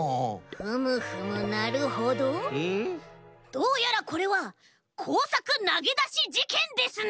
どうやらこれは「こうさくなげだしじけん」ですね！